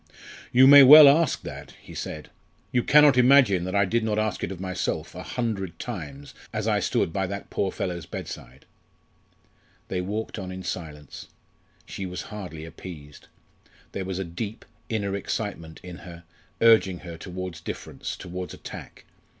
"You may well ask that!" he said. "You cannot imagine that I did not ask it of myself a hundred times as I stood by that poor fellow's bedside." They walked on in silence. She was hardly appeased. There was a deep, inner excitement in her urging her towards difference, towards attack.